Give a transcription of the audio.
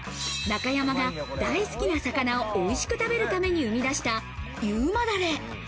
中山が、大好きな魚を美味しく食べるために生み出した優馬ダレ。